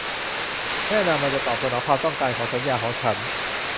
แน่นอนมันจะตอบสนองความต้องการของสัญญาของฉัน